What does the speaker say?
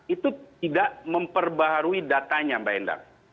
itu tidak memperbarui datanya mbak endang